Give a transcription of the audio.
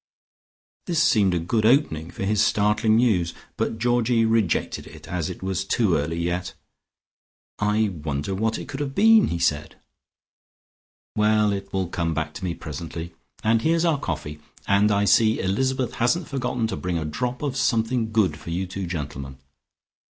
This seemed a good opening for his startling news, but Georgie rejected it, as it was too early yet. "I wonder what it could have been," he said. "Well, it will come back to me presently, and here's our coffee, and I see Elizabeth hasn't forgotten to bring a drop of something good for you two gentlemen.